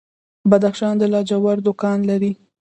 بدخشان د لاجوردو کان لري